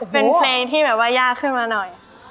เป็นเพลงที่ยากขึ้นมาหน่อย